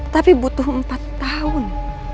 tapi butuh empat tahun